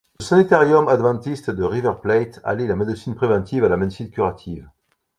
Le sanitarium adventiste de River Plate allie la médecine préventive à la médecine curative.